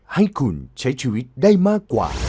ให้คุณใช้ชีวิตได้มากกว่า